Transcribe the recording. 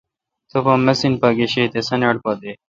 تبا مِسین پا گشے تے سانیٹ پا دے۔